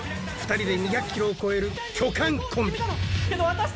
２人で２００ｋｇを超える巨漢コンビ